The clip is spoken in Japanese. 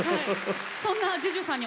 そんなＪＵＪＵさんにはですね